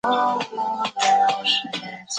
采白莲教支派。